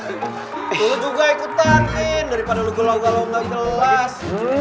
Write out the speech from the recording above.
lo juga ikutan min daripada lo gelong gelong gak kelas